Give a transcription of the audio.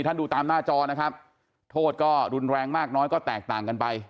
ดูตามหน้าจอนะครับโทษก็รุนแรงมากน้อยก็แตกต่างกันไป